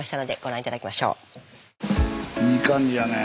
いい感じやね。